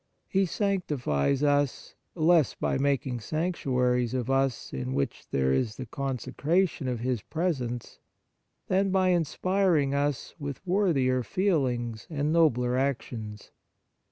He sanctifies us, less by making sanctuaries of us in which there is the consecration of His presence than by inspiring us with worthier feelings and nobler actions.